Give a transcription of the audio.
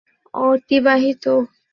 তিনি সুইজারল্যান্ডে অতিবাহিত করেন।